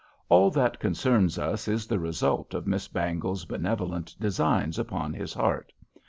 All that concerns us is the result of Miss Bangle's benevolent designs upon his heart.